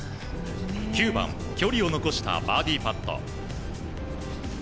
９番、距離を残したバーディーパット。